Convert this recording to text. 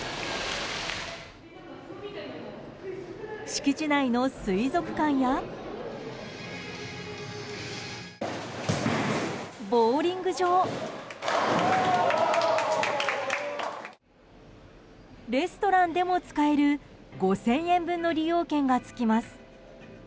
敷地内の水族館やボウリング場レストランでも使える５０００円分の利用券が付きます。